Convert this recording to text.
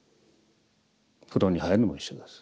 風呂に入るのも一緒です。